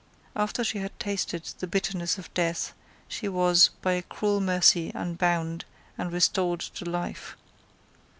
After she had tasted the bitterness of death, she was, by a cruel mercy unbound and restored to life.